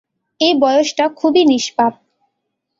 এই বয়সটা খুবই নিষ্পাপ।